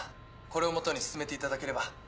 これを基に進めていただければ。